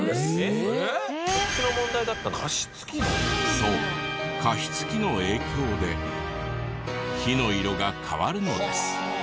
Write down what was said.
そう加湿器の影響で火の色が変わるのです。